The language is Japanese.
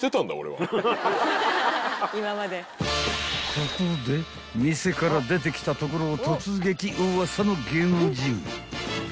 ［ここで店から出てきたところを］